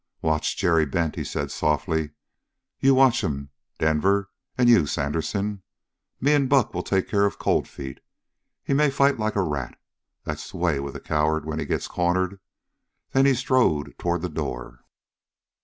"Watch Jerry Bent," he said softly. "You watch him, Denver, and you, Sandersen. Me and Buck will take care of Cold Feet. He may fight like a rat. That's the way with a coward when he gets cornered." Then he strode toward the door.